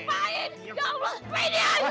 gak usah gak usah turun